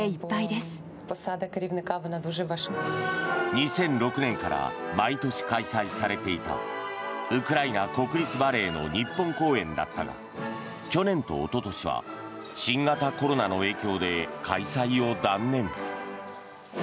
２００６年から毎年開催されていたウクライナ国立バレエの日本公演だったが去年とおととしは新型コロナの影響で開催を断念。